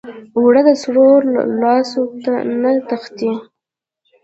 اوړه د سړو لاسو نه تښتي